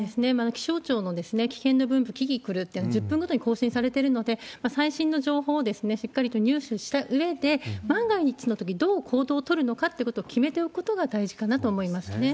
気象庁の危険の分布、危機来るっていうの、１０分ごとに更新されているので、最新の情報をしっかりと入手したうえで、万が一のとき、どう行動を取るのかっていうことを決めていくことが大事かなと思いますね。